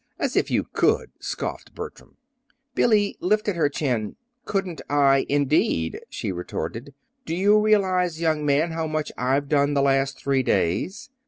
As if you could!" scoffed Bertram. Billy lifted her chin. "Couldn't I, indeed," she retorted. "Do you realize, young man, how much I've done the last three days?